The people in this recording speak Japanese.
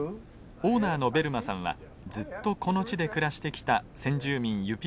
オーナーのベルマさんはずっとこの地で暮らしてきた先住民ユピック族の末裔です。